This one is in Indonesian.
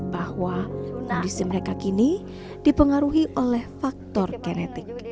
bahwa kondisi mereka kini dipengaruhi oleh faktor genetik